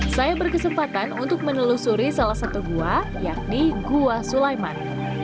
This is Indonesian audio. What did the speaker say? saya berkesempatan untuk menelusuri salah satu gua yakni gua sulaiman